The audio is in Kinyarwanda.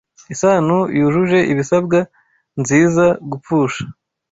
Isano yujuje ibisabwa nziza Gupfusha